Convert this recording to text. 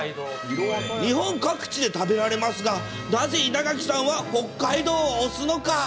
日本各地で食べられますが、なぜ稲垣さんは、北海道を推すのか。